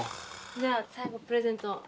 じゃあ最後プレゼントを。